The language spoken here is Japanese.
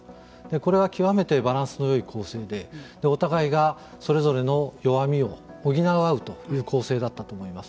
これは極めてバランスのよい構成でお互いがそれぞれの弱みを補い合うという構成だったと思います。